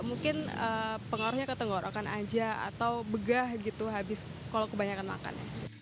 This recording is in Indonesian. mungkin pengaruhnya ke tenggorokan aja atau begah gitu habis kalau kebanyakan makan